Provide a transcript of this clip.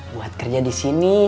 buat kerja disini